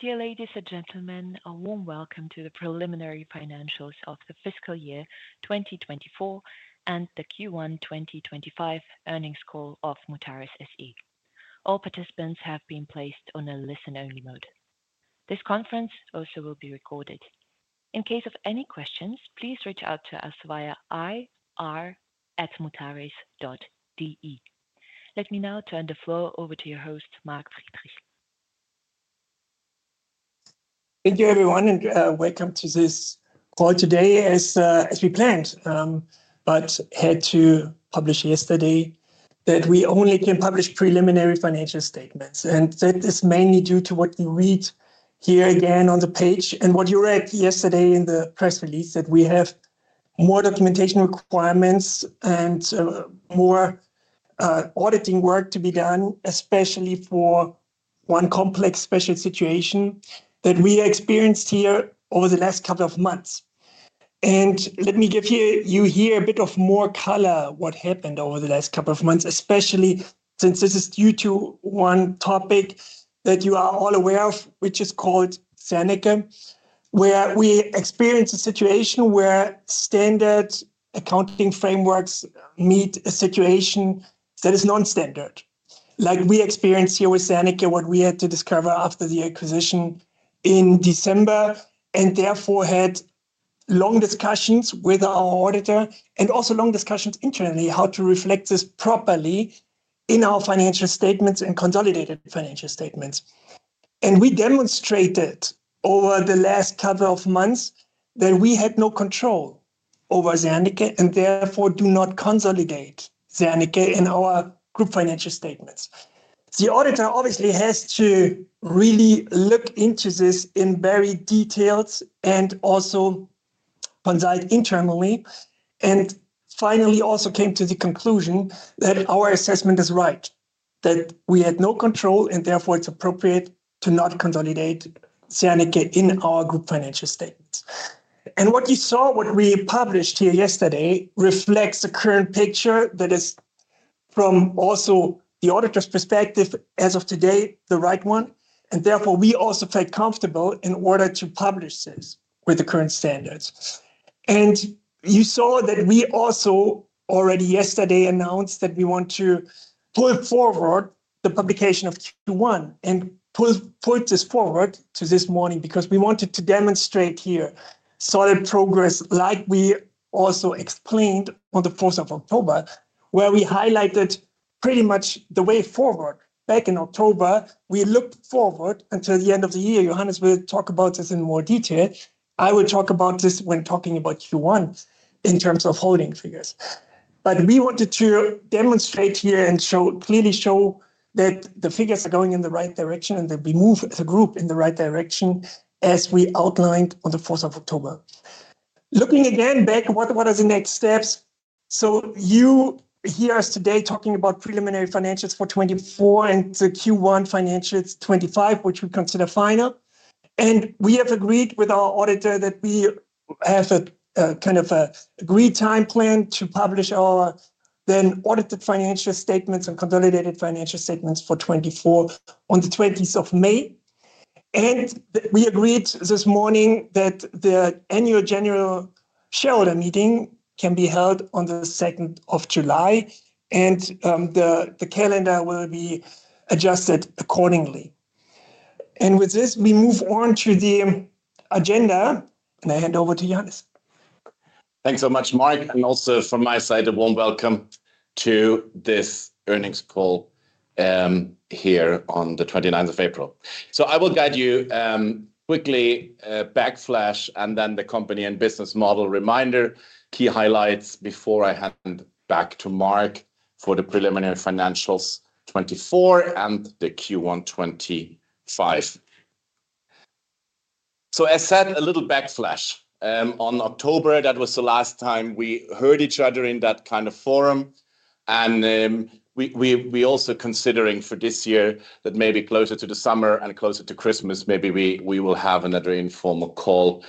Dear ladies and gentlemen, a warm welcome to the preliminary financials of the fiscal year 2024 and the Q1 2025 earnings call of Mutares SE. All participants have been placed on a listen-only mode. This conference also will be recorded. In case of any questions, please reach out to us via ir@mutares.de. Let me now turn the floor over to your host, Mark Friedrich. Thank you, everyone, and welcome to this call today, as we planned, but had to publish yesterday that we only can publish preliminary financial statements. That is mainly due to what you read here again on the page and what you read yesterday in the press release, that we have more documentation requirements and more auditing work to be done, especially for one complex special situation that we experienced here over the last couple of months. Let me give you here a bit of more color on what happened over the last couple of months, especially since this is due to one topic that you are all aware of, which is called Seneca, where we experienced a situation where standard accounting frameworks meet a situation that is non-standard, like we experienced here with Seneca, what we had to discover after the acquisition in December, and therefore had long discussions with our auditor and also long discussions internally how to reflect this properly in our financial statements and consolidated financial statements. We demonstrated over the last couple of months that we had no control over Seneca and therefore do not consolidate Seneca in our group financial statements. The auditor obviously has to really look into this in very detail and also consult internally. Finally, we also came to the conclusion that our assessment is right, that we had no control, and therefore it is appropriate to not consolidate Seneca in our group financial statements. What you saw, what we published here yesterday, reflects the current picture that is from also the auditor's perspective as of today, the right one. Therefore, we also felt comfortable in order to publish this with the current standards. You saw that we also already yesterday announced that we want to pull forward the publication of Q1 and put this forward to this morning because we wanted to demonstrate here solid progress, like we also explained on the 4th of October, where we highlighted pretty much the way forward. Back in October, we looked forward until the end of the year. Johannes will talk about this in more detail. I will talk about this when talking about Q1 in terms of holding figures. We wanted to demonstrate here and clearly show that the figures are going in the right direction and that we move as a group in the right direction as we outlined on the 4th of October. Looking again back, what are the next steps? You hear us today talking about preliminary financials for 2024 and the Q1 financials 2025, which we consider final. We have agreed with our auditor that we have a kind of agreed time plan to publish our then audited financial statements and consolidated financial statements for 2024 on the 20th of May. We agreed this morning that the annual general shareholder meeting can be held on the 2nd of July, and the calendar will be adjusted accordingly. With this, we move on to the agenda, and I hand over to Johannes. Thanks so much, Mark. Also from my side, a warm welcome to this earnings call here on the 29th of April. I will guide you quickly, backflash, and then the company and business model reminder, key highlights before I hand back to Mark for the preliminary financials 2024 and the Q1 2025. As said, a little backflash. In October, that was the last time we heard each other in that kind of forum. We are also considering for this year that maybe closer to the summer and closer to Christmas, maybe we will have another informal call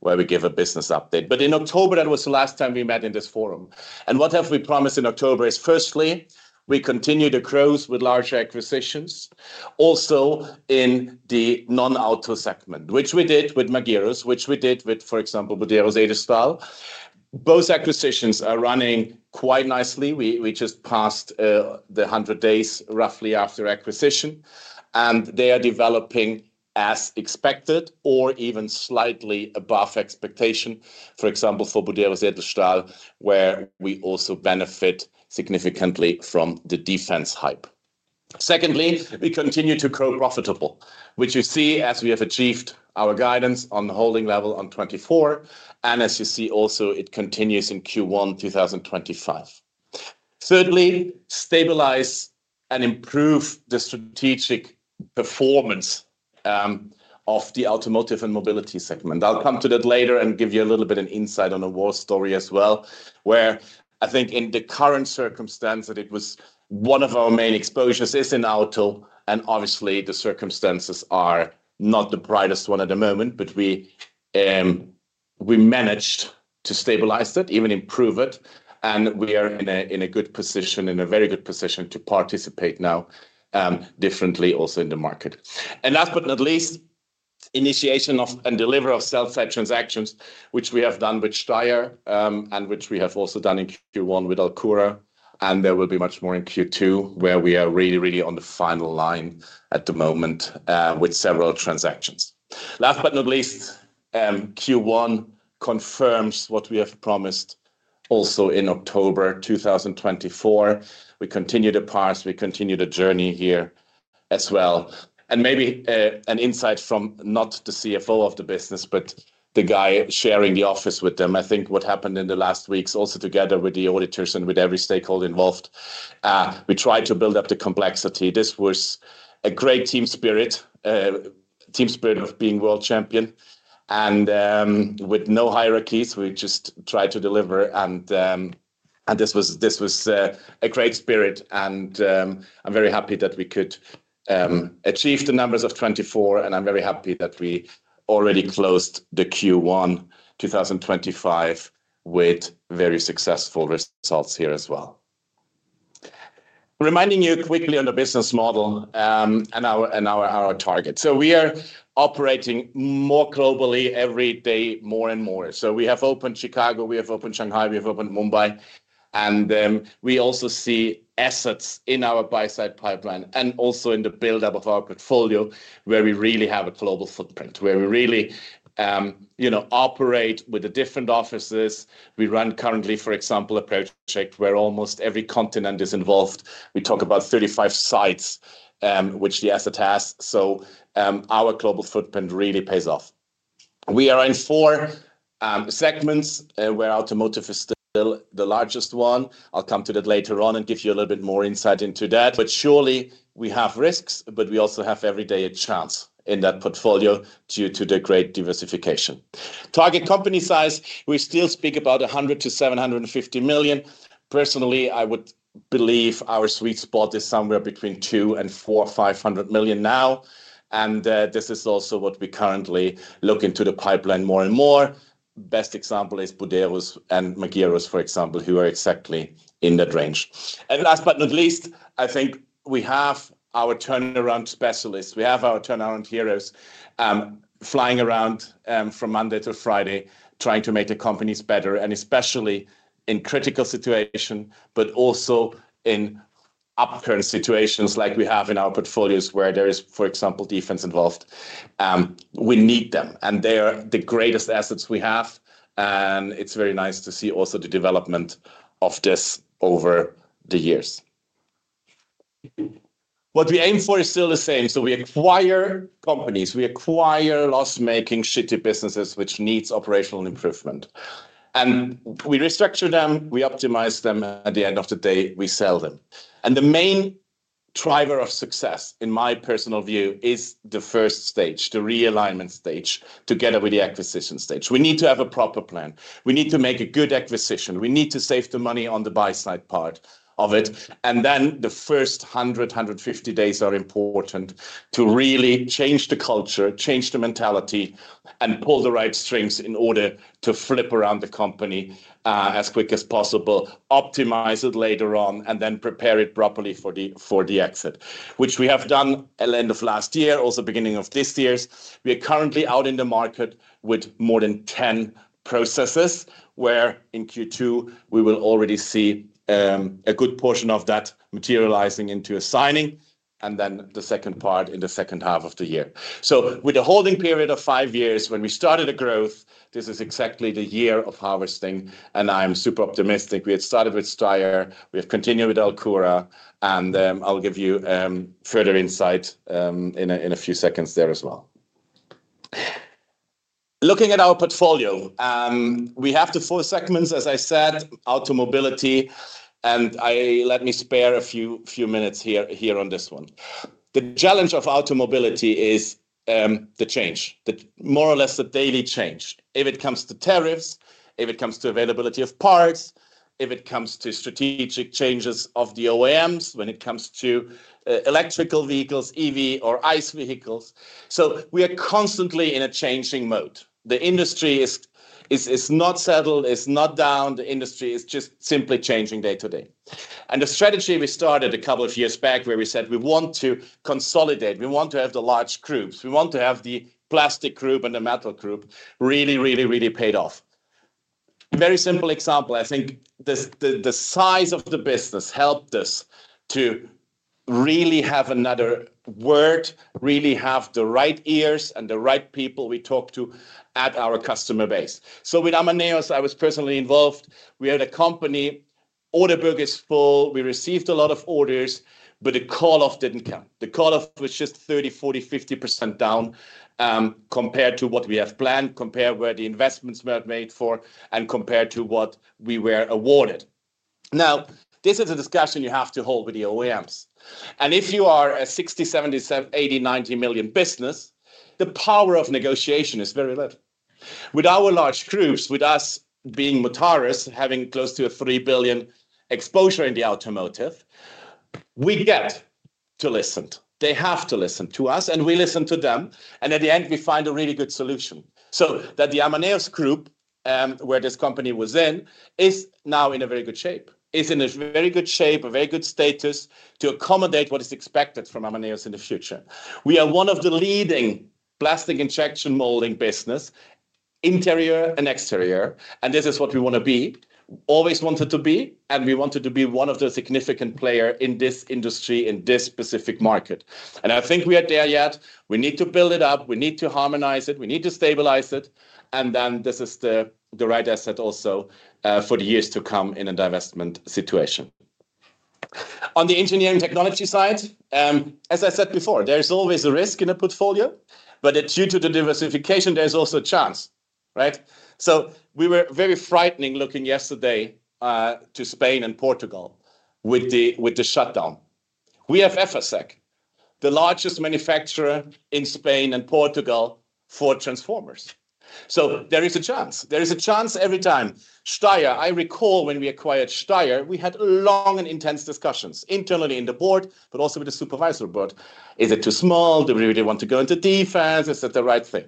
where we give a business update. In October, that was the last time we met in this forum. What we have promised in October is, firstly, we continue to grow with large acquisitions, also in the non-auto segment, which we did with Magirus, which we did with, for example, Buderus Edelstahl. Those acquisitions are running quite nicely. We just passed the 100 days roughly after acquisition, and they are developing as expected or even slightly above expectation, for example, for Buderus Edelstahl, where we also benefit significantly from the defense hype. Secondly, we continue to grow profitable, which you see as we have achieved our guidance on the holding level on 2024. As you see also, it continues in Q1 2025. Thirdly, stabilize and improve the strategic performance of the automotive and mobility segment. I'll come to that later and give you a little bit of insight on a war story as well, where I think in the current circumstance that it was one of our main exposures is in auto. Obviously, the circumstances are not the brightest one at the moment, but we managed to stabilize that, even improve it. We are in a good position, in a very good position to participate now differently also in the market. Last but not least, initiation of and delivery of sell-side transactions, which we have done with Steyr and which we have also done in Q1 with Alcura. There will be much more in Q2, where we are really, really on the final line at the moment with several transactions. Last but not least, Q1 confirms what we have promised also in October 2024. We continue the path. We continue the journey here as well. Maybe an insight from not the CFO of the business, but the guy sharing the office with them. I think what happened in the last weeks, also together with the auditors and with every stakeholder involved, we tried to build up the complexity. This was a great team spirit, team spirit of being world champion. With no hierarchies, we just tried to deliver. This was a great spirit. I am very happy that we could achieve the numbers of 2024. I am very happy that we already closed the Q1 2025 with very successful results here as well. Reminding you quickly on the business model and our target. We are operating more globally every day, more and more. We have opened Chicago, we have opened Shanghai, we have opened Mumbai. We also see assets in our buy-side pipeline and also in the build-up of our portfolio, where we really have a global footprint, where we really operate with different offices. We run currently, for example, a project where almost every continent is involved. We talk about 35 sites, which the asset has. Our global footprint really pays off. We are in four segments where automotive is still the largest one. I'll come to that later on and give you a little bit more insight into that. Surely we have risks, but we also have every day a chance in that portfolio due to the great diversification. Target company size, we still speak about 100 million-750 million. Personally, I would believe our sweet spot is somewhere between 200 million-400 million, 500 million now. This is also what we currently look into the pipeline more and more. Best example is Buderus Edelstahl and Magirus, for example, who are exactly in that range. Last but not least, I think we have our turnaround specialists. We have our turnaround heroes flying around from Monday to Friday, trying to make the companies better, and especially in critical situations, but also in upturn situations like we have in our portfolios where there is, for example, defense involved. We need them, and they are the greatest assets we have. It is very nice to see also the development of this over the years. What we aim for is still the same. We acquire companies, we acquire loss-making, shitty businesses, which need operational improvement. We restructure them, we optimize them, and at the end of the day, we sell them. The main driver of success, in my personal view, is the first stage, the realignment stage, together with the acquisition stage. We need to have a proper plan. We need to make a good acquisition. We need to save the money on the buy-side part of it. The first 100 days-150 days are important to really change the culture, change the mentality, and pull the right strings in order to flip around the company as quick as possible, optimize it later on, and then prepare it properly for the exit, which we have done at the end of last year, also beginning of this year. We are currently out in the market with more than 10 processes where in Q2, we will already see a good portion of that materializing into a signing, and then the second part in the second half of the year. With a holding period of five years, when we started the growth, this is exactly the year of harvesting, and I'm super optimistic. We had started with Steyr. We have continued with Alcura. I'll give you further insight in a few seconds there as well. Looking at our portfolio, we have the four segments, as I said, automobility. Let me spare a few minutes here on this one. The challenge of automobility is the change, more or less the daily change, if it comes to tariffs, if it comes to availability of parts, if it comes to strategic changes of the OEMs, when it comes to electrical vehicles, EV, or ICE vehicles. We are constantly in a changing mode. The industry is not settled, is not down. The industry is just simply changing day to day. The strategy we started a couple of years back, where we said we want to consolidate, we want to have the large groups, we want to have the plastic group and the metal group really, really, really paid off. Very simple example. I think the size of the business helped us to really have another word, really have the right ears and the right people we talk to at our customer base. With Amaneos, I was personally involved. We had a company. Order book is full. We received a lot of orders, but the call-off did not come. The call-off was just 30%-40%-50% down compared to what we have planned, compared where the investments were made for, and compared to what we were awarded. This is a discussion you have to hold with the OEMs. If you are a 60 million, 70 million, 80 million, 90 million business, the power of negotiation is very little. With our large groups, with us being Mutares, having close to 3 billion exposure in the automotive, we get to listen. They have to listen to us, and we listen to them. At the end, we find a really good solution. The Amaneos group, where this company was in, is now in a very good shape, a very good status to accommodate what is expected from Amaneos in the future. We are one of the leading plastic injection molding business, interior and exterior. This is what we want to be, always wanted to be. We wanted to be one of the significant players in this industry, in this specific market. I think we are there yet. We need to build it up. We need to harmonize it. We need to stabilize it. This is the right asset also for the years to come in a divestment situation. On the engineering technology side, as I said before, there's always a risk in a portfolio, but due to the diversification, there's also a chance, right? We were very frightening looking yesterday to Spain and Portugal with the shutdown. We have Efacec, the largest manufacturer in Spain and Portugal for transformers. There is a chance. There is a chance every time. Steyr, I recall when we acquired Steyr, we had long and intense discussions internally in the board, but also with the supervisory board. Is it too small? Do we really want to go into defense? Is that the right thing?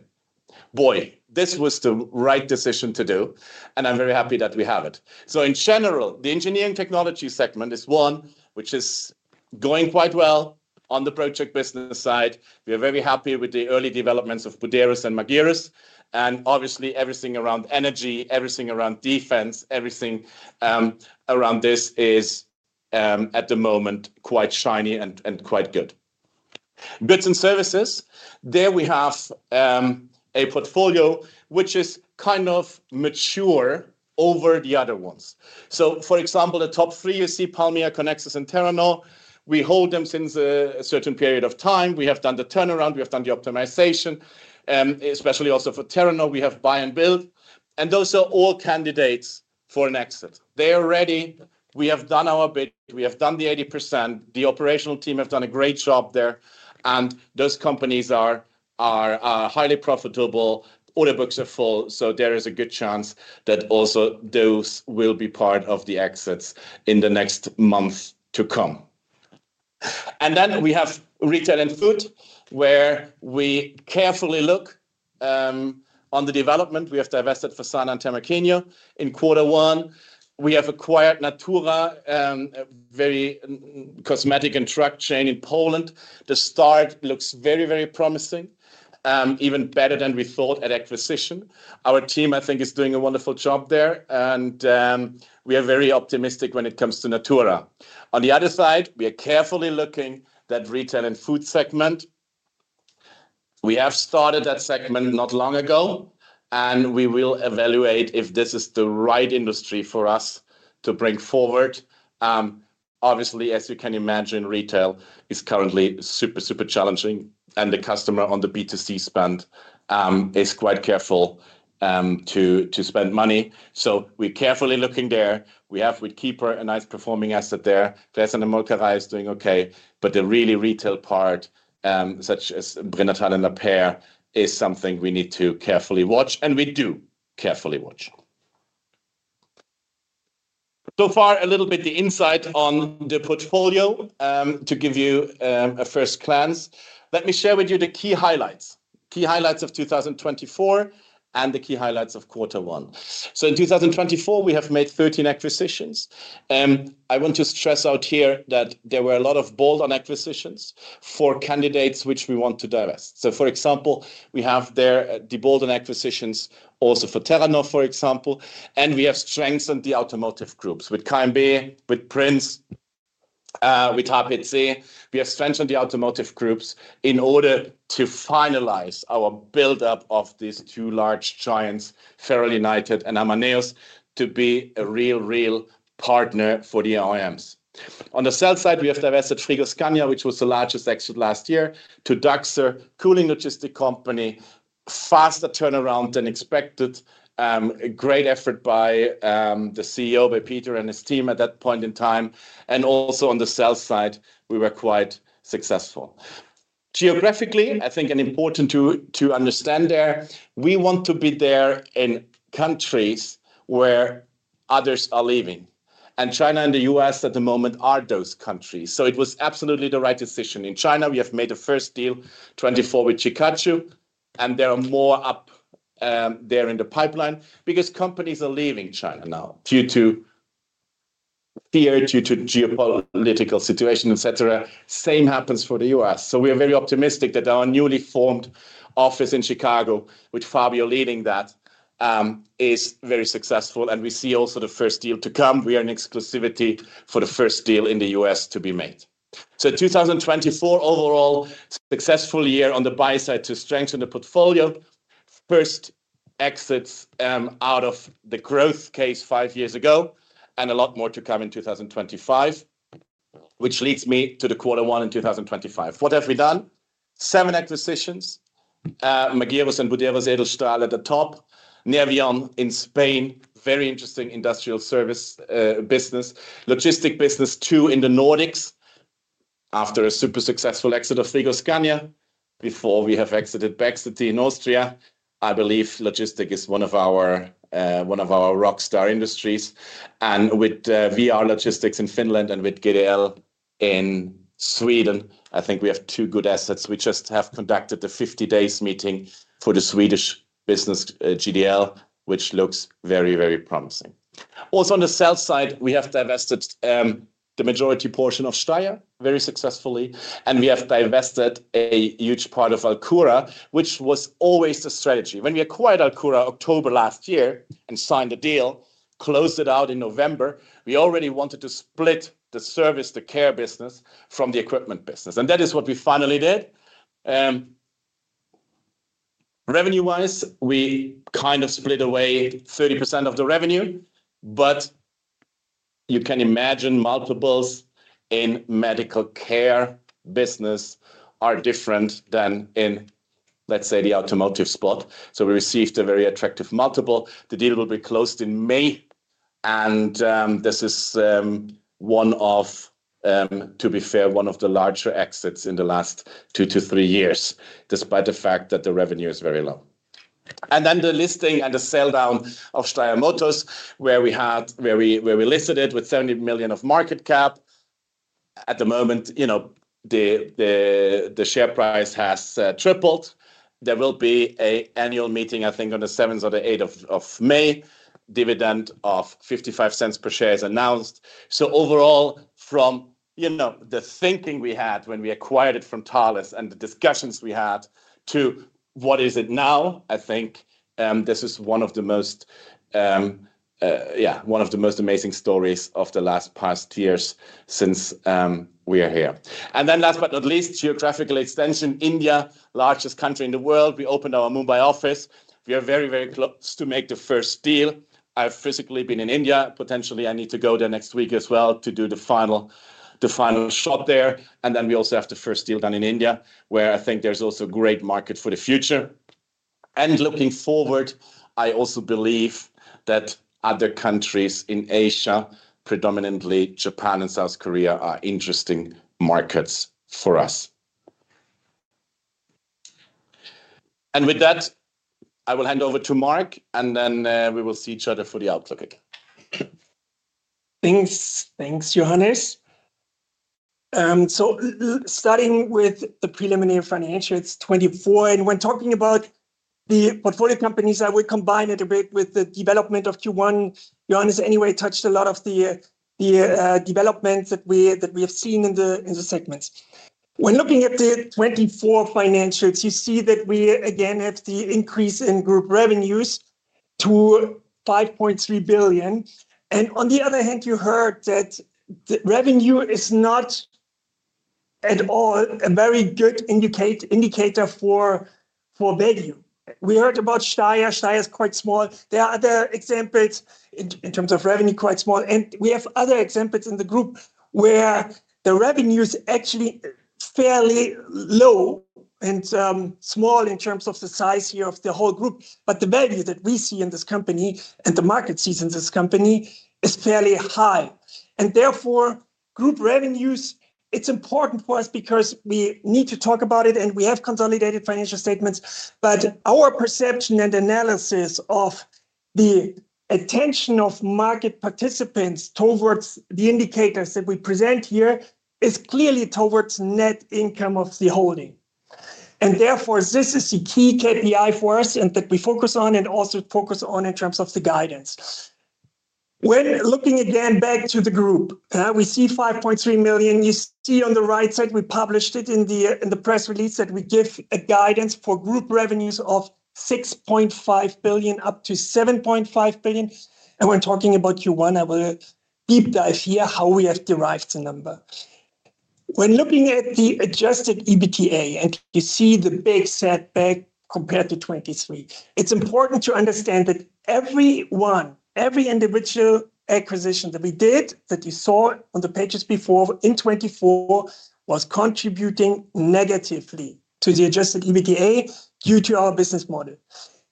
Boy, this was the right decision to do. I am very happy that we have it. In general, the engineering technology segment is one which is going quite well on the project business side. We are very happy with the early developments of Buderus Edelstahl and Magirus. Obviously, everything around energy, everything around defense, everything around this is at the moment quite shiny and quite good. Goods and services, there we have a portfolio which is kind of mature over the other ones. For example, the top three, you see Palmia, Conexus, and Terranor. We hold them since a certain period of time. We have done the turnaround. We have done the optimization, especially also for Terranor. We have buy and build. Those are all candidates for an exit. They are ready. We have done our bit. We have done the 80%. The operational team have done a great job there. Those companies are highly profitable. Order books are full. There is a good chance that also those will be part of the exits in the next months to come. We have retail and food, where we carefully look on the development. We have divested FASANA and Temakinho in quarter one. We have acquired Natura, a very cosmetic and truck chain in Poland. The start looks very, very promising, even better than we thought at acquisition. Our team, I think, is doing a wonderful job there. We are very optimistic when it comes to Natura. On the other side, we are carefully looking at that retail and food segment. We have started that segment not long ago. We will evaluate if this is the right industry for us to bring forward. Obviously, as you can imagine, retail is currently super, super challenging. The customer on the B2C spend is quite careful to spend money. We are carefully looking there. We have with Keeper a nice performing asset there. Gläserne Molkerei is doing okay. The really retail part, such as Prénatal and Lapeyre, is something we need to carefully watch. We do carefully watch. So far, a little bit the insight on the portfolio to give you a first glance. Let me share with you the key highlights, key highlights of 2024 and the key highlights of quarter one. In 2024, we have made 13 acquisitions. I want to stress out here that there were a lot of bolt-on acquisitions for candidates which we want to divest. For example, we have there the bolt-on acquisitions also for Terranor, for example. We have strengthened the automotive groups with KMB, with Prinz, with HPC. We have strengthened the automotive groups in order to finalize our build-up of these two large giants, Ferrall United and Amaneos, to be a real, real partner for the OEMs. On the sell side, we have divested Frigoscandia, which was the largest exit last year, to Dachser, a cooling logistics company. Faster turnaround than expected. Great effort by the CEO, by Peter and his team at that point in time. Also on the sell side, we were quite successful. Geographically, I think an important to understand there, we want to be there in countries where others are leaving. China and the US at the moment are those countries. It was absolutely the right decision. In China, we have made the first deal 2024 with Cikautxo. There are more up there in the pipeline because companies are leaving China now due to fear, due to geopolitical situation, etc. The same happens for the U.S.. We are very optimistic that our newly formed office in Chicago, which Fabio is leading, is very successful. We see also the first deal to come. We are in exclusivity for the first deal in the US to be made. 2024, overall, is a successful year on the buy side to strengthen the portfolio. First exits out of the growth case five years ago and a lot more to come in 2025, which leads me to the quarter one in 2025. What have we done? Seven acquisitions. Magirus and Buderus Edelstahl at the top. Nervión in Spain, very interesting industrial service business, logistic business too in the Nordics after a super successful exit of Frigoscandia before we have exited Bexity in Austria. I believe logistic is one of our rockstar industries. With VR Logistics in Finland and with GDL in Sweden, I think we have two good assets. We just have conducted the 50 days meeting for the Swedish business GDL, which looks very, very promising. Also on the sell side, we have divested the majority portion of Steyr very successfully. We have divested a huge part of Alcura, which was always the strategy. When we acquired Alcura October last year and signed the deal, closed it out in November, we already wanted to split the service, the care business from the equipment business. That is what we finally did. Revenue-wise, we kind of split away 30% of the revenue. You can imagine multiples in medical care business are different than in, let's say, the automotive spot. We received a very attractive multiple. The deal will be closed in May. This is one of, to be fair, one of the larger exits in the last two to three years, despite the fact that the revenue is very low. The listing and the sell down of Steyr Motors, where we listed it with 70 million of market cap. At the moment, the share price has tripled. There will be an annual meeting, I think, on the 7th or the 8th of May. Dividend of 0.55 per share is announced. Overall, from the thinking we had when we acquired it from Thales and the discussions we had to what is it now, I think this is one of the most, yeah, one of the most amazing stories of the last past years since we are here. Last but not least, geographical extension, India, largest country in the world. We opened our Mumbai office. We are very, very close to make the first deal. I've physically been in India. Potentially, I need to go there next week as well to do the final shop there. We also have the first deal done in India, where I think there's also a great market for the future. Looking forward, I also believe that other countries in Asia, predominantly Japan and South Korea, are interesting markets for us. With that, I will hand over to Mark. We will see each other for the outlook again. Thanks, Johannes. Starting with the preliminary financials, 2024. When talking about the portfolio companies, I will combine it a bit with the development of Q1. Johannes, anyway, touched a lot of the developments that we have seen in the segments. When looking at the 2024 financials, you see that we, again, have the increase in group revenues to 5.3 billion. On the other hand, you heard that the revenue is not at all a very good indicator for value. We heard about Steyr. Steyr is quite small. There are other examples in terms of revenue, quite small. We have other examples in the group where the revenue is actually fairly low and small in terms of the size here of the whole group. The value that we see in this company and the market sees in this company is fairly high. Therefore, group revenues, it's important for us because we need to talk about it. We have consolidated financial statements. Our perception and analysis of the attention of market participants towards the indicators that we present here is clearly towards net income of the holding. Therefore, this is the key KPI for us and that we focus on and also focus on in terms of the guidance. When looking again back to the group, we see 5.3 million. You see on the right side, we published it in the press release that we give a guidance for group revenues of 6.5 billion-7.5 billion. When talking about Q1, I will deep dive here how we have derived the number. When looking at the adjusted EBITDA and you see the big setback compared to 2023, it's important to understand that everyone, every individual acquisition that we did, that you saw on the pages before in 2024, was contributing negatively to the adjusted EBITDA due to our business model.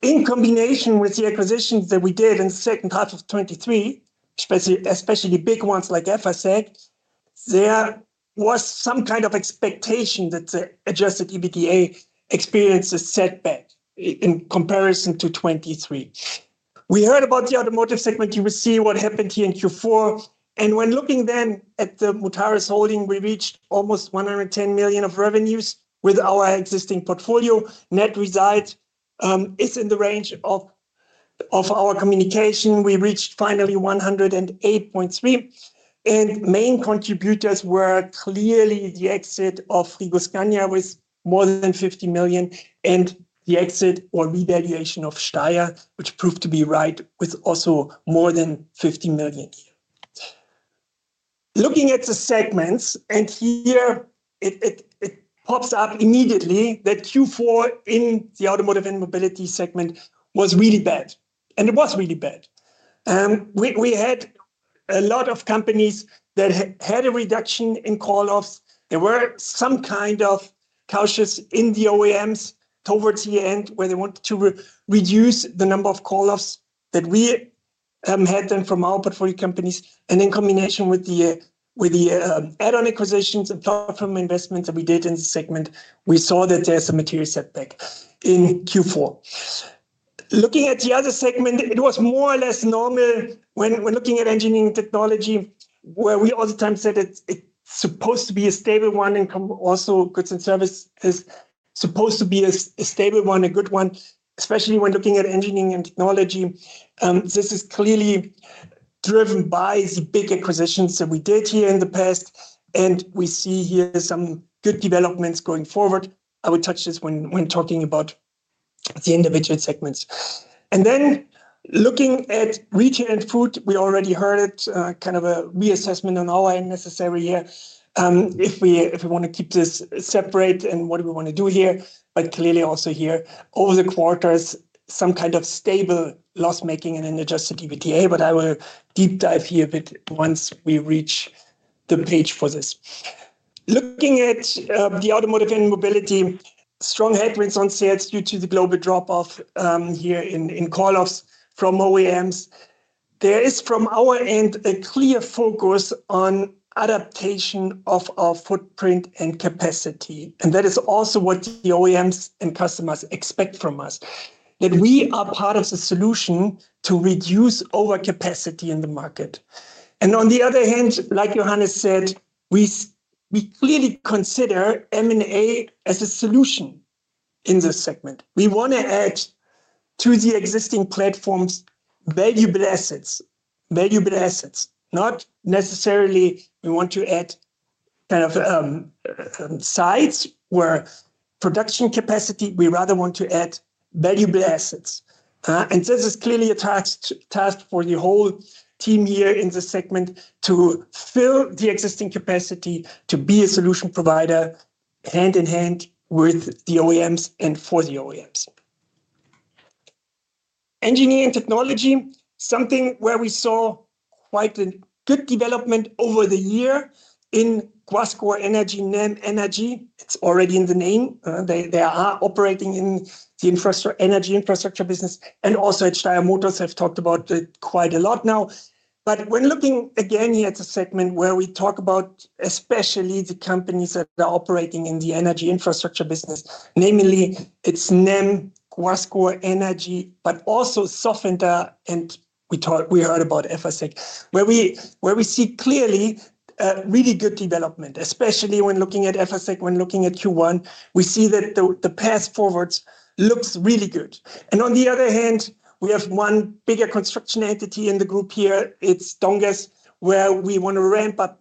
In combination with the acquisitions that we did in the second half of 2023, especially big ones like Efacec, there was some kind of expectation that the adjusted EBITDA experienced a setback in comparison to 2023. We heard about the automotive segment. You will see what happened here in Q4. When looking then at the Mutares holding, we reached almost 110 million of revenues with our existing portfolio. Net result is in the range of our communication. We reached finally 108.3 million. Main contributors were clearly the exit of Frigoscandia with more than 50 million and the exit or revaluation of Steyr, which proved to be right with also more than 50 million here. Looking at the segments, it pops up immediately that Q4 in the automotive and mobility segment was really bad. It was really bad. We had a lot of companies that had a reduction in call-offs. There were some kind of cautious in the OEMs towards the end where they wanted to reduce the number of call-offs that we had done from our portfolio companies. In combination with the add-on acquisitions and platform investments that we did in the segment, we saw that there is a material setback in Q4. Looking at the other segment, it was more or less normal when looking at engineering technology, where we all the time said it is supposed to be a stable one and also goods and services is supposed to be a stable one, a good one, especially when looking at engineering and technology. This is clearly driven by the big acquisitions that we did here in the past. We see here some good developments going forward. I will touch this when talking about the individual segments. Looking at retail and food, we already heard it, kind of a reassessment on our end necessary here. If we want to keep this separate and what do we want to do here. Clearly also here, over the quarters, some kind of stable loss-making and an adjusted EBITDA. I will deep dive here a bit once we reach the page for this. Looking at the automotive and mobility, strong headwinds on sales due to the global drop-off here in call-offs from OEMs. There is from our end a clear focus on adaptation of our footprint and capacity. That is also what the OEMs and customers expect from us, that we are part of the solution to reduce overcapacity in the market. On the other hand, like Johannes said, we clearly consider M&A as a solution in this segment. We want to add to the existing platforms valuable assets, valuable assets. Not necessarily we want to add kind of sides where production capacity, we rather want to add valuable assets. This is clearly a task for the whole team here in the segment to fill the existing capacity to be a solution provider hand in hand with the OEMs and for the OEMs. Engineering technology, something where we saw quite a good development over the year in Guascor Energy, NEM Energy. It is already in the name. They are operating in the energy infrastructure business. Also at Steyr Motors, I have talked about it quite a lot now. When looking again here at the segment where we talk about especially the companies that are operating in the energy infrastructure business, namely it is NEM, Guascor Energy, but also Sofinter. We heard about Efacec, where we see clearly a really good development, especially when looking at Efacec. When looking at Q1, we see that the path forwards looks really good. On the other hand, we have one bigger construction entity in the group here. It's Donges, where we want to ramp up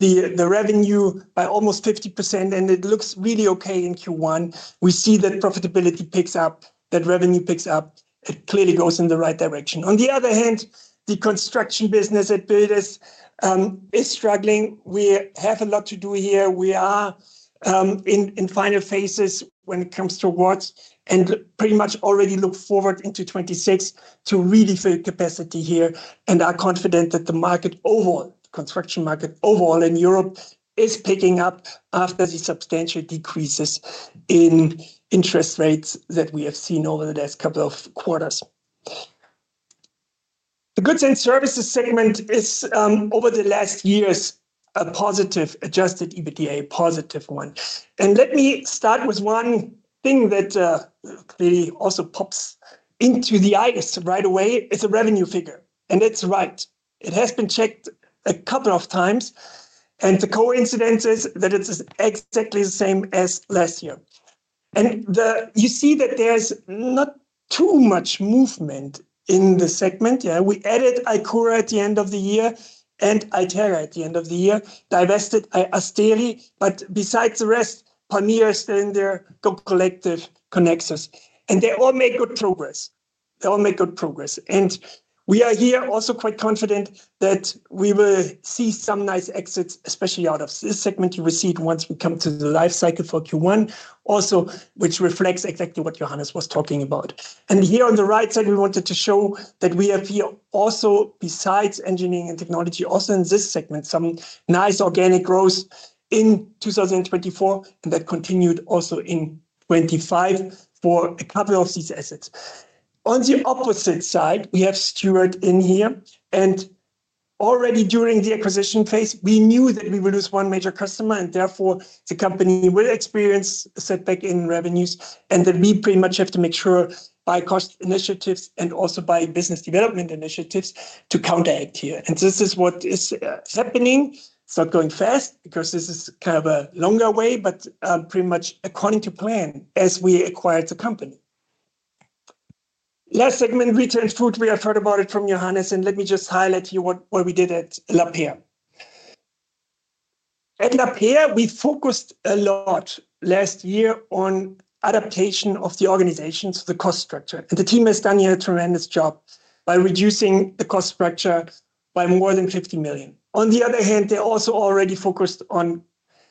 the revenue by almost 50%. It looks really okay in Q1. We see that profitability picks up, that revenue picks up. It clearly goes in the right direction. On the other hand, the construction business at Buderus Edelstahl is struggling. We have a lot to do here. We are in final phases when it comes to what and pretty much already look forward into 2026 to really fill capacity here. I am confident that the market overall, the construction market overall in Europe is picking up after the substantial decreases in interest rates that we have seen over the last couple of quarters. The goods and services segment is over the last years, a positive adjusted EBITDA, positive one. Let me start with one thing that clearly also pops into the eyes right away. It is a revenue figure. That is right. It has been checked a couple of times. The coincidence is that it is exactly the same as last year. You see that there is not too much movement in the segment. We added Alcura at the end of the year and Itera at the end of the year, divested Asteri. Besides the rest, Palmia is still in there, GOB Collective, Conexus. They all make good progress. They all make good progress. We are here also quite confident that we will see some nice exits, especially out of this segment. You will see it once we come to the life cycle for Q1 also, which reflects exactly what Johannes was talking about. Here on the right side, we wanted to show that we have here also, besides engineering and technology, also in this segment, some nice organic growth in 2024. That continued also in 2025 for a couple of these assets. On the opposite side, we have Stewart in here. Already during the acquisition phase, we knew that we would lose one major customer. Therefore, the company will experience a setback in revenues. We pretty much have to make sure by cost initiatives and also by business development initiatives to counteract here. This is what is happening. It is not going fast because this is kind of a longer way, but pretty much according to plan as we acquired the company. Last segment, retail and food, we have heard about it from Johannes. Let me just highlight here what we did at Lapeyre. At Lapeyre, we focused a lot last year on adaptation of the organization to the cost structure. The team has done here a tremendous job by reducing the cost structure by more than 50 million. On the other hand, they also already focused on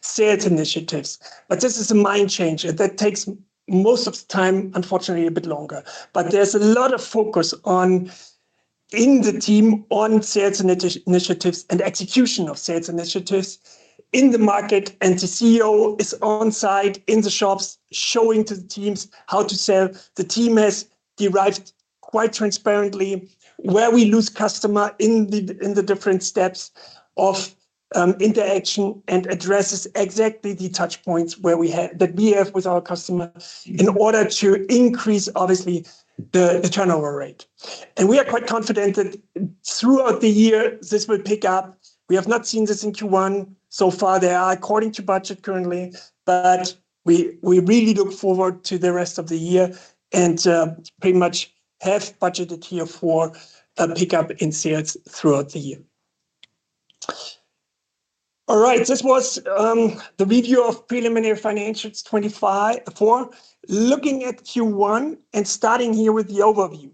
sales initiatives. This is a mind change. That takes most of the time, unfortunately, a bit longer. There is a lot of focus in the team on sales initiatives and execution of sales initiatives in the market. The CEO is on site in the shops showing to the teams how to sell. The team has derived quite transparently where we lose customer in the different steps of interaction and addresses exactly the touch points that we have with our customer in order to increase, obviously, the turnover rate. We are quite confident that throughout the year, this will pick up. We have not seen this in Q1 so far. They are according to budget currently. We really look forward to the rest of the year and pretty much have budgeted here for a pickup in sales throughout the year. All right, this was the review of preliminary financials 2024, looking at Q1 and starting here with the overview.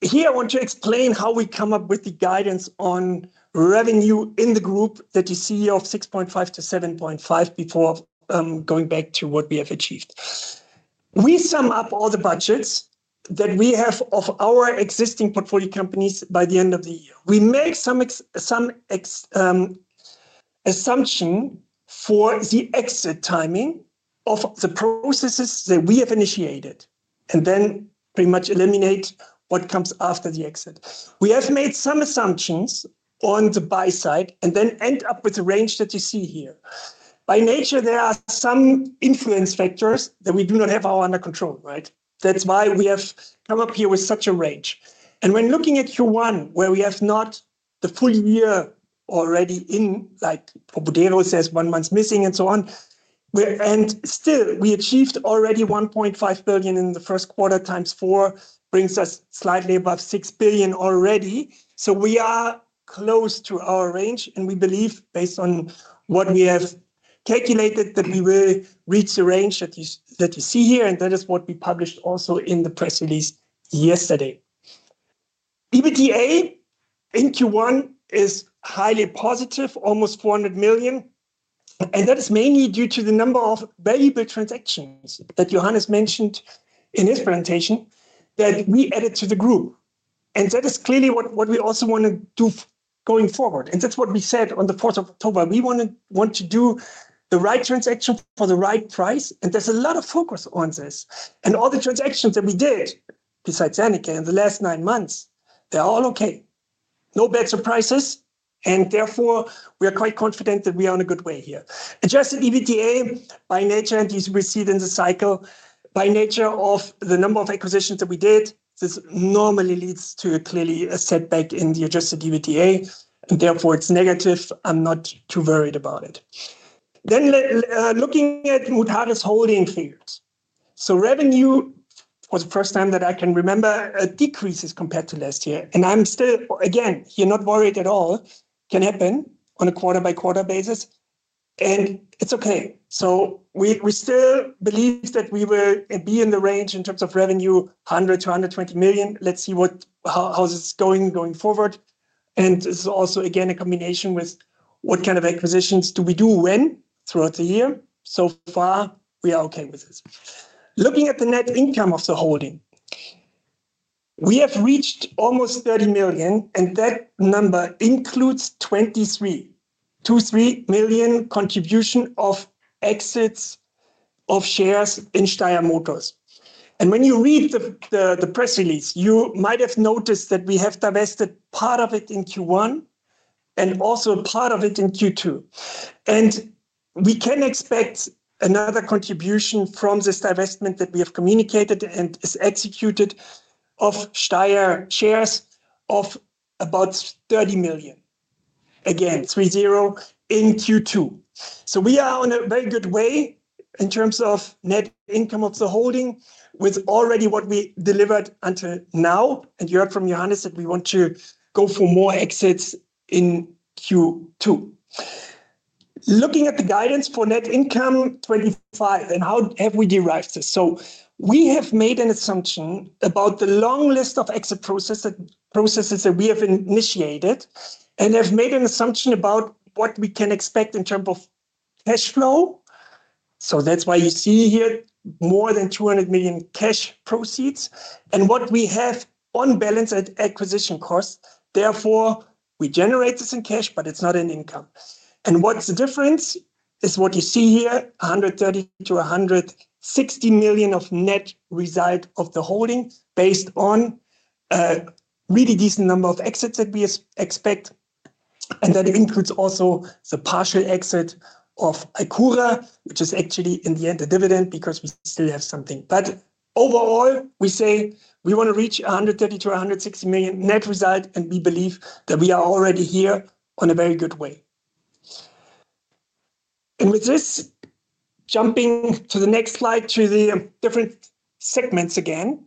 Here, I want to explain how we come up with the guidance on revenue in the group that you see of 6.5 billion-7.5 billion before going back to what we have achieved. We sum up all the budgets that we have of our existing portfolio companies by the end of the year. We make some assumption for the exit timing of the processes that we have initiated and then pretty much eliminate what comes after the exit. We have made some assumptions on the buy side and then end up with the range that you see here. By nature, there are some influence factors that we do not have under our control, right? That is why we have come up here with such a range. When looking at Q1, where we have not the full year already in, like for Buderus, there is one month missing and so on. Still, we achieved already 1.5 billion in the first quarter times four brings us slightly above 6 billion already. We are close to our range. We believe, based on what we have calculated, that we will reach the range that you see here. That is what we published also in the press release yesterday. EBITDA in Q1 is highly positive, almost 400 million. That is mainly due to the number of valuable transactions that Johannes mentioned in his presentation that we added to the group. That is clearly what we also want to do going forward. That is what we said on the 4th of October. We want to do the right transaction for the right price. There is a lot of focus on this. All the transactions that we did besides Seneca in the last nine months, they are all okay. No bad surprises. Therefore, we are quite confident that we are on a good way here. Adjusted EBITDA by nature, and you see it in the cycle by nature of the number of acquisitions that we did, this normally leads to clearly a setback in the adjusted EBITDA. Therefore, it is negative. I am not too worried about it. Looking at Mutares' holding figures. Revenue, for the first time that I can remember, decreases compared to last year. I'm still, again, here, not worried at all. Can happen on a quarter-by-quarter basis. It's okay. We still believe that we will be in the range in terms of revenue, 100 million-120 million. Let's see how this is going going forward. This is also, again, a combination with what kind of acquisitions do we do when throughout the year. So far, we are okay with this. Looking at the net income of the holding, we have reached almost 30 million. That number includes 23 million, 23 million contribution of exits of shares in Steyr Motors. When you read the press release, you might have noticed that we have divested part of it in Q1 and also part of it in Q2. We can expect another contribution from this divestment that we have communicated and is executed of Steyr shares of about 30 million. Again, 30 million in Q2. We are on a very good way in terms of net income of the holding with already what we delivered until now. You heard from Johannes that we want to go for more exits in Q2. Looking at the guidance for net income 2025 and how have we derived this. We have made an assumption about the long list of exit processes that we have initiated and have made an assumption about what we can expect in terms of cash flow. That is why you see here more than 200 million cash proceeds and what we have on balance at acquisition cost. Therefore, we generate this in cash, but it is not an income. What you see here, 130 million-160 million of net result of the holding, is based on a really decent number of exits that we expect. That includes also the partial exit of Alcura, which is actually in the end a dividend because we still have something. Overall, we say we want to reach 130 million-160 million net result. We believe that we are already here on a very good way. With this, jumping to the next slide to the different segments again.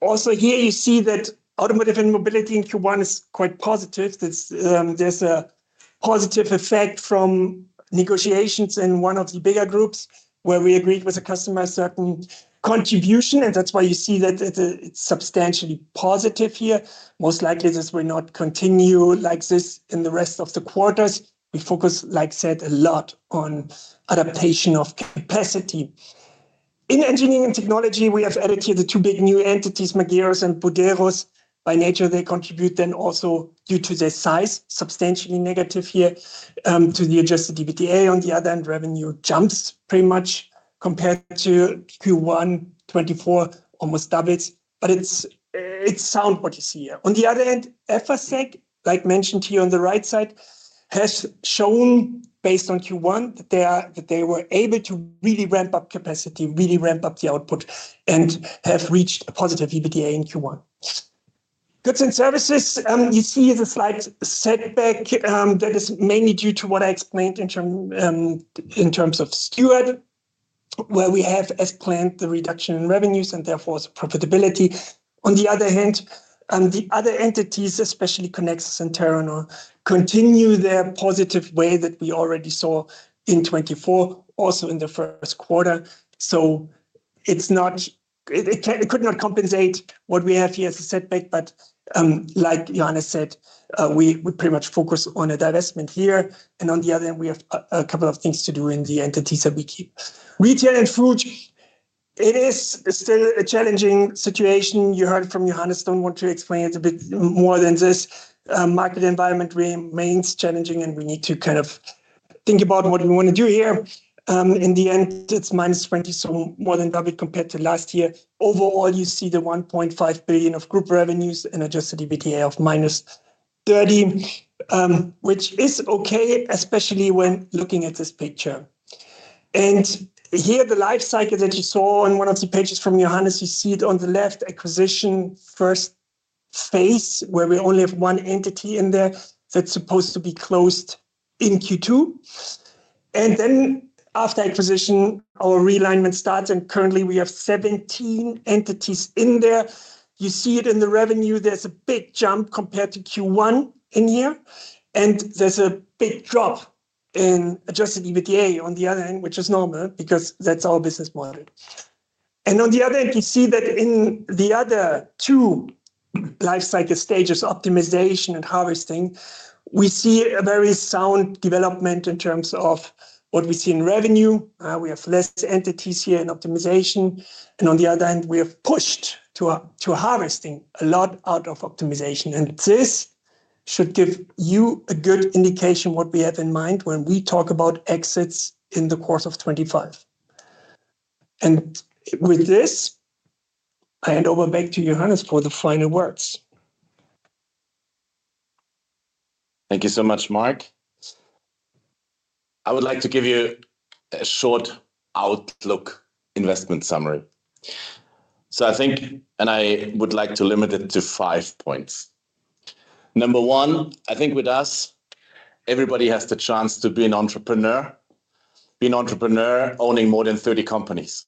Also here, you see that automotive and mobility in Q1 is quite positive. There is a positive effect from negotiations in one of the bigger groups where we agreed with a customer on a certain contribution. That is why you see that it is substantially positive here. Most likely, this will not continue like this in the rest of the quarters. We focus, like said, a lot on adaptation of capacity. In engineering and technology, we have added here the two big new entities, Magirus and Buderus Edelstahl. By nature, they contribute then also due to their size, substantially negative here to the adjusted EBITDA. On the other hand, revenue jumps pretty much compared to Q1 2024, almost doubles. It is sound what you see here. On the other hand, Effosec, like mentioned here on the right side, has shown based on Q1 that they were able to really ramp up capacity, really ramp up the output, and have reached a positive EBITDA in Q1. Goods and services, you see the slight setback that is mainly due to what I explained in terms of Stewart, where we have as planned the reduction in revenues and therefore the profitability. On the other hand, the other entities, especially Conexus and Terranor, continue their positive way that we already saw in 2024, also in the first quarter. It could not compensate what we have here as a setback. Like Johannes said, we pretty much focus on a divestment here. On the other hand, we have a couple of things to do in the entities that we keep. Retail and food, it is still a challenging situation. You heard from Johannes, do not want to explain it a bit more than this. Market environment remains challenging. We need to kind of think about what we want to do here. In the end, it is -20, so more than double compared to last year. Overall, you see the 1.5 billion of group revenues and adjusted EBITDA of -30, which is okay, especially when looking at this picture. Here, the life cycle that you saw on one of the pages from Johannes, you see it on the left, acquisition first phase, where we only have one entity in there that's supposed to be closed in Q2. After acquisition, our realignment starts. Currently, we have 17 entities in there. You see it in the revenue. There's a big jump compared to Q1 in here. There's a big drop in adjusted EBITDA on the other end, which is normal because that's our business model. On the other end, you see that in the other two life cycle stages, optimization and harvesting, we see a very sound development in terms of what we see in revenue. We have fewer entities here in optimization. On the other hand, we have pushed to harvesting a lot out of optimization. This should give you a good indication of what we have in mind when we talk about exits in the course of 2025. With this, I hand over back to Johannes for the final words. Thank you so much, Mark. I would like to give you a short outlook investment summary. I think, and I would like to limit it to five points. Number one, I think with us, everybody has the chance to be an entrepreneur, be an entrepreneur owning more than 30 companies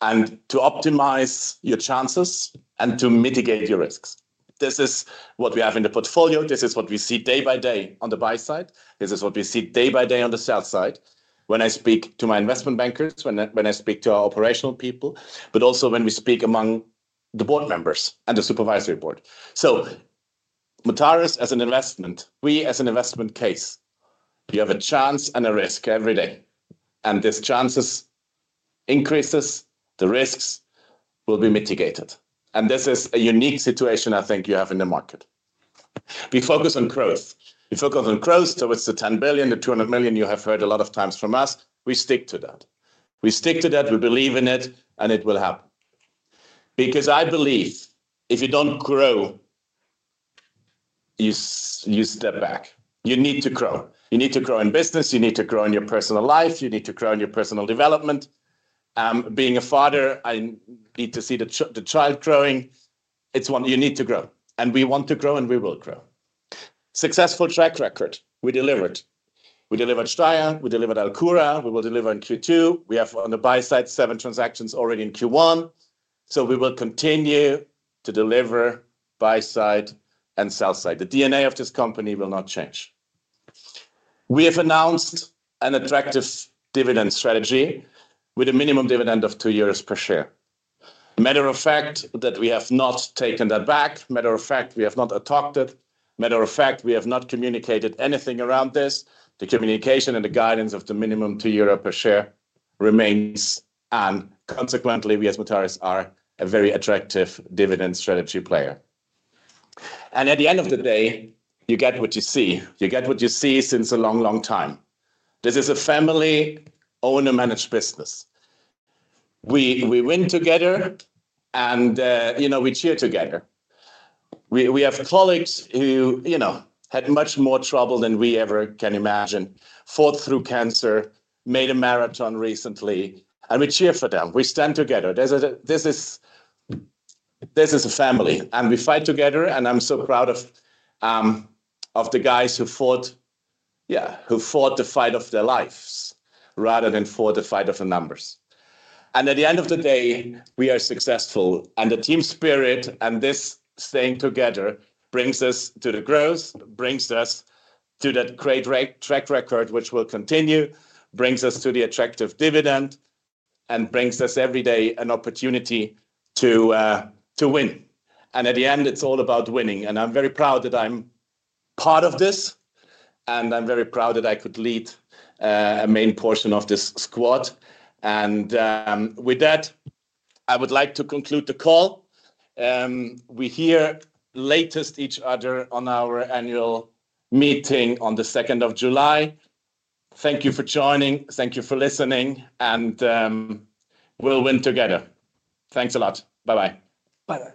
and to optimize your chances and to mitigate your risks. This is what we have in the portfolio. This is what we see day by day on the buy side. This is what we see day by day on the sell side when I speak to my investment bankers, when I speak to our operational people, but also when we speak among the board members and the supervisory board. Mutares as an investment. We as an investment case, you have a chance and a risk every day. These chances increase, the risks will be mitigated. This is a unique situation I think you have in the market. We focus on growth. We focus on growth towards the 10 billion, the 200 million you have heard a lot of times from us. We stick to that. We stick to that. We believe in it. It will happen. Because I believe if you do not grow, you step back. You need to grow. You need to grow in business. You need to grow in your personal life. You need to grow in your personal development. Being a father, I need to see the child growing. It's one you need to grow. We want to grow. We will grow. Successful track record. We delivered. We delivered Steyr. We delivered Alcura. We will deliver in Q2. We have on the buy side seven transactions already in Q1. We will continue to deliver buy side and sell side. The DNA of this company will not change. We have announced an attractive dividend strategy with a minimum dividend of 2 euros per share. Matter of fact, we have not taken that back. Matter of fact, we have not adopted. Matter of fact, we have not communicated anything around this. The communication and the guidance of the minimum 2 euro per share remains. Consequently, we as Mutares are a very attractive dividend strategy player. At the end of the day, you get what you see. You get what you see since a long, long time. This is a family owner-managed business. We win together. We cheer together. We have colleagues who had much more trouble than we ever can imagine, fought through cancer, made a marathon recently. We cheer for them. We stand together. This is a family. We fight together. I'm so proud of the guys who fought, yeah, who fought the fight of their lives rather than fought the fight of the numbers. At the end of the day, we are successful. The team spirit and this staying together brings us to the growth, brings us to that great track record, which will continue, brings us to the attractive dividend, and brings us every day an opportunity to win. At the end, it's all about winning. I'm very proud that I'm part of this. I'm very proud that I could lead a main portion of this squad. With that, I would like to conclude the call. We hear latest each other on our annual meeting on the 2nd of July. Thank you for joining. Thank you for listening. We'll win together. Thanks a lot. Bye-bye. Bye.